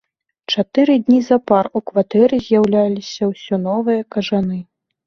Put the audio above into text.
Чатыры дні запар у кватэры з'яўляліся ўсё новыя кажаны.